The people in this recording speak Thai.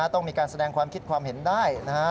ต้องมีการแสดงความคิดความเห็นได้